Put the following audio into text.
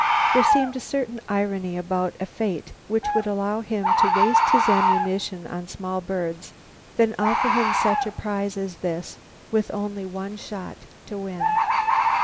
There seemed a certain irony about a fate which would allow him to waste his ammunition on small birds, then offer him such a prize as this with only one shot to win.